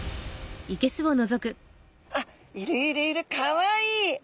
あいるいるいるかわいい。